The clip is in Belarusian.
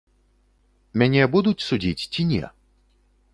Мяне будуць судзіць ці не?